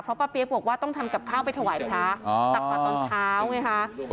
เพราะปะเปียกบอกว่าต้องทำกับข้าวไปถวายพระพระตักปะตอนเช้าไงค่ะ